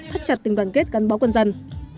thắt chặt tình đoàn kết gắn bó quân dân